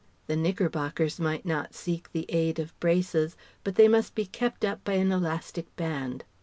The knickerbockers might not seek the aid of braces; but they must be kept up by an elastic band.